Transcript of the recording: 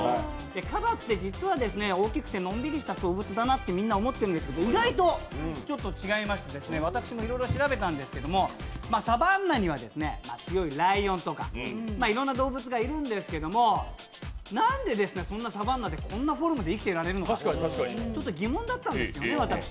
かばって実は大きくてのんびりした動物だなとみんな思ってるんですけど、意外と違いまして私もいろいろ調べたんですけどサバンナには強いライオンとか、いろんな動物がいるんですけども、なんでそんなサバンナでこんなフォルムで生きていられるのか疑問だったんですね。